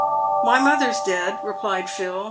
"My mother's dead," replied Phil.